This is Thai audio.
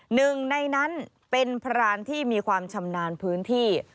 หนึ่งในนั้นเป็นพรานที่มีความชำนาญพื้นที่